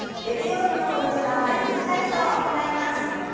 月曜日のこの時間は「リズム体操」を行います。